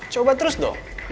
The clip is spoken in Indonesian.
coba terus dong